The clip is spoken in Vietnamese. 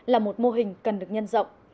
là một mô hình cần được nhân dọng